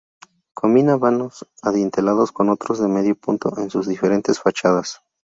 Combina vanos adintelados con otros de medio punto en sus diferentes fachadas.